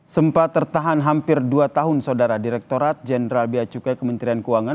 sempat tertahan hampir dua tahun saudara direkturat jenderal biacukai kementerian keuangan